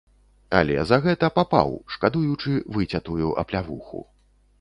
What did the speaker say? Але за гэта папаў, шкадуючы выцятую, аплявуху.